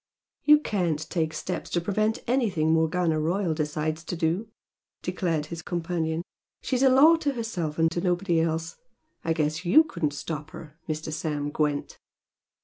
"You can't take steps to prevent anything Morgana Royal decides to do!" declared his companion. "She's a law to herself and to nobody else. I guess YOU couldn't stop her, Mr. Sam Gwent!"